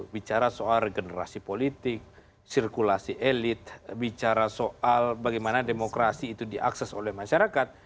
bicara soal regenerasi politik sirkulasi elit bicara soal bagaimana demokrasi itu diakses oleh masyarakat